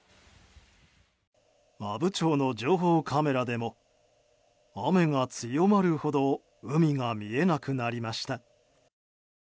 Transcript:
阿武町の情報カメラでも雨が強まるほど海が見えなくなりました。